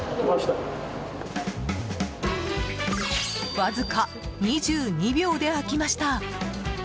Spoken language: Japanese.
わずか２２秒で開きました。